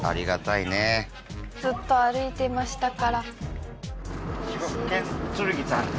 ずっと歩いてましたから。